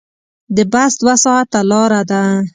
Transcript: د بس دوه ساعته لاره ده.